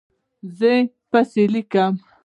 زه پیسې لیکم